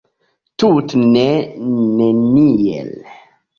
Tute ne, neniel.